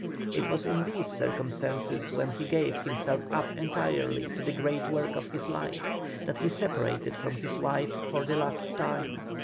It was in these circumstances, when he gave himself up entirely to the great work of his life, that he separated from his wife for the last time.